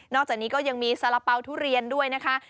อกจากนี้ก็ยังมีสาระเป๋าทุเรียนด้วยนะคะ